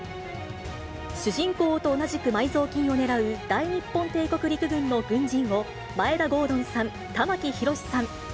主人公と同じく埋蔵金を狙う大日本帝国陸軍の軍人を、眞栄田郷敦さん、玉木宏さん。